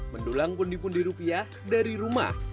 mendulang pundi pundi rupiah dari rumah